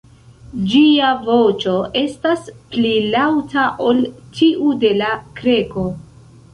Ĝia voĉo estas pli laŭta ol tiu de la Kreko.